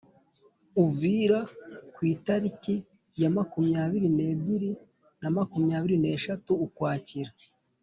uvira ku itariki ya makumyabiri nebyiri na makumyabiri neshatu ukwakira